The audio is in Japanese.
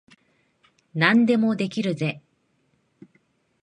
何でもできるぜ。